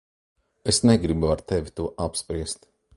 Es negribu ar tevi to apspriest.